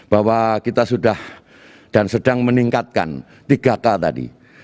bahwa kita sudah dan sedang meningkatkan tiga k tadi